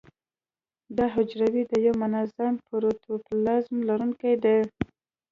دا حجره د یو منظم پروتوپلازم لرونکې ده.